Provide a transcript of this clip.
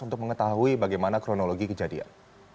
untuk mengetahui bagaimana kronologi kejadian